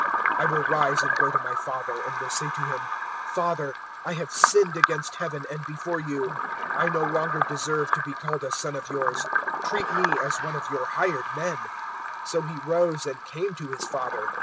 015:018 I will rise and go to my father, and will say to him, Father, I have sinned against Heaven and before you: 015:019 I no longer deserve to be called a son of yours: treat me as one of your hired men.' 015:020 "So he rose and came to his father.